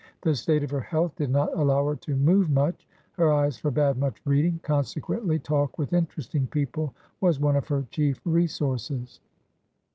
The state of her health did not allow her to move much; her eyes forbade much reading; consequently, talk with interesting people was one of her chief resources.